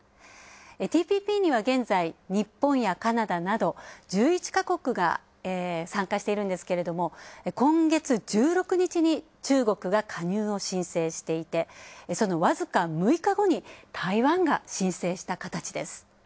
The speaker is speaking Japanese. ＴＰＰには現在、日本やカナダなど１１か国が参加しているんですけれども、今月１６日に中国が加入を申請していてその僅か６日後に台湾が申請した形です。